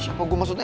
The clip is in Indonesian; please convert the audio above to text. siapa gue maksudnya